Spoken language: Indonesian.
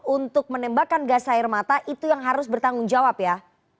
untuk menembakkan gas air mata itu yang harus bertanggung jawab ya